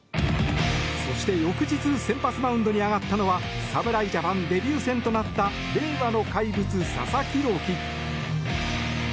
そして翌日先発マウンドに上がったのは侍ジャパンデビュー戦となった令和の怪物、佐々木朗希。